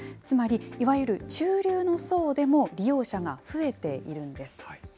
つまり、いわゆる中流の層でも利用者が増えているんです。